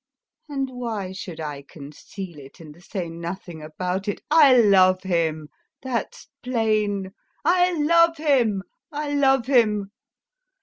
And why should I conceal it and say nothing about it; I love him, that's plain, I love him, I love him....